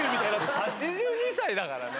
８２歳だからね。